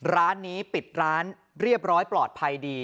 ร้านนี้ปิดร้านเรียบร้อยปลอดภัยดี